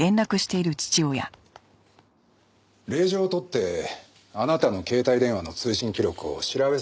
令状を取ってあなたの携帯電話の通信記録を調べさせてもらいました。